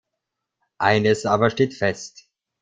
Eines aber steht fest.